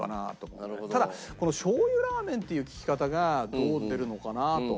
ただこの「しょう油ラーメン」っていう聞き方がどう出るのかな？と。